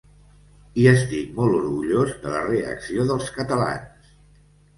I estic molt orgullós de la reacció dels catalans.